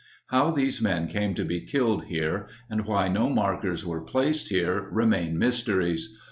How these men came to be killed here and why no markers were placed here remain mysteries.